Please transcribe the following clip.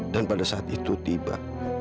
dan pada saat itu tiba